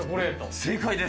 正解です。